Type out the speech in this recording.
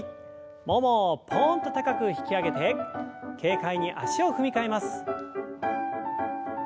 ももをポンと高く引き上げて軽快に足を踏み替えます。